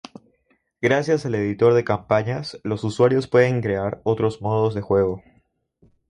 Gracias al editor de campañas los usuarios pueden crear otros modos de juego.